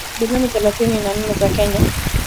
bilioni thelathini na nne za Kenya